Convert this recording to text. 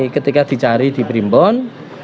ketika dicari di berimpun